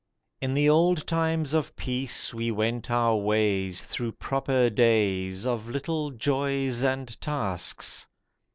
IN the old times of peace we went our ways, Through proper days Of little joys and tasks.